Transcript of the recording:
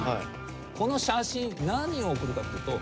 この写真何を送るかっていうと。